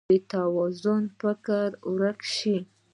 توازون د فکر ورک شو